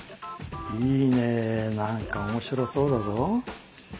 いいね何か面白そうだぞ。